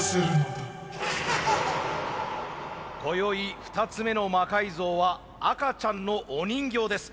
こよい２つ目の魔改造は赤ちゃんのお人形です。